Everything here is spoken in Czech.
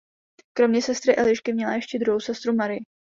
Kromě sestry Elišky měla ještě druhou sestru Marii.